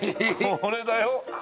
これだよ。